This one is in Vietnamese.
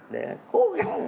để cố gắng